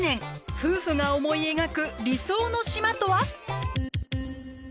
夫婦が思い描く理想の島とは？